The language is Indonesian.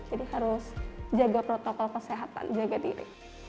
jadi harus jaga protokol kesehatan jaga diri